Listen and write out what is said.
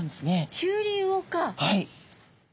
はい。